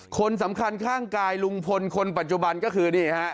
คนสำคัญข้างกายลุงพลคนปัจจุบันก็คือนี่ฮะ